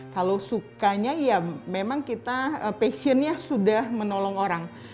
kalau sukanya ya memang kita passionnya sudah menolong orang